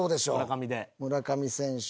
村上選手。